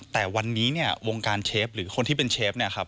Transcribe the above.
แต่วันนี้วงการเชฟหรือคนที่เป็นเชฟ